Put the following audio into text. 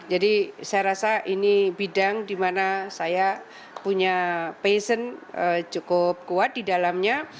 jadi saya rasa ini bidang di mana saya punya passion cukup kuat di dalamnya